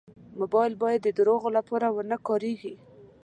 موبایل باید د دروغو لپاره و نه کارېږي.